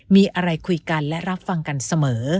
มีอะไรคุยกันและรับฟังกันเสมอ